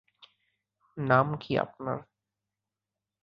নাম কি আপনার?